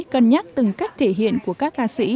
cân nhắc từng cách thể hiện của các ca sĩ